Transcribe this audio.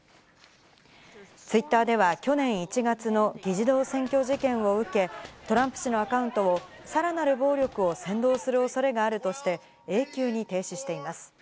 ツイッターでは去年１月の議事堂占拠事件を受け、トランプ氏のアカウントを、さらなる暴力を扇動するおそれがあるとして、永久に停止しています。